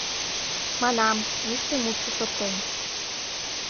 Манам: йӱштӧ мут сусыртен.